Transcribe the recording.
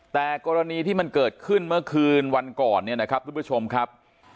แต่กรณีที่มันเกิดขึ้นเมื่อคืนวันก่อนเนี่ยนะครับทุกผู้ชมครับ